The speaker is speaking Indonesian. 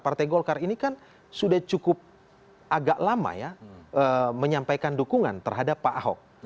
partai golkar ini kan sudah cukup agak lama ya menyampaikan dukungan terhadap pak ahok